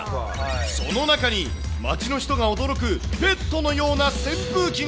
その中に、街の人が驚くペットのような扇風機が。